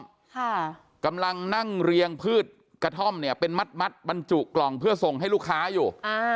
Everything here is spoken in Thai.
ค่ะกำลังนั่งเรียงพืชกระท่อมเนี่ยเป็นมัดมัดบรรจุกล่องเพื่อส่งให้ลูกค้าอยู่อ่า